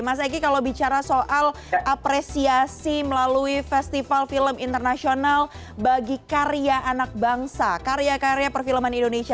mas egy kalau bicara soal apresiasi melalui festival film internasional bagi karya anak bangsa karya karya perfilman indonesia